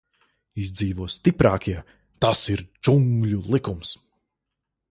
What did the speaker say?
Izdzīvo stiprākie, tas ir džungļu likums.